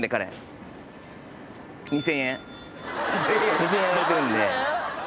２，０００円やられてるんで。